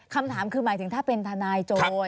คำถามคือหมายถึงถ้าเป็นทนายโจร